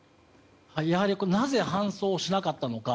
やはりなぜ搬送しなかったのか。